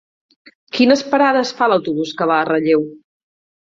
Quines parades fa l'autobús que va a Relleu?